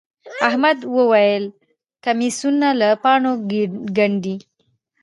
احمد وويل: کمیسونه له پاڼو گنډي.